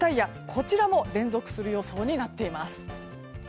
こちらも連続する予想となっています。